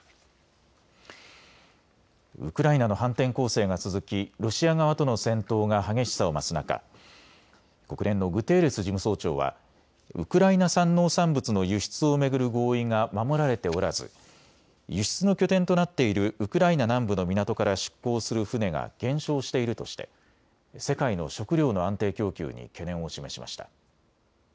ウクライナの反転攻勢が続きロシア側との戦闘が激しさを増す中、国連のグテーレス事務総長はウクライナ産農産物の輸出を巡る合意が守られておらず輸出の拠点となっているウクライナ南部の港から出港する船が減少しているとして世界の食料の安定供給に懸念を示しました。